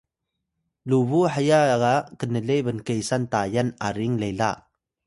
lubuw heya ga knle bnkesan Tayal aring lela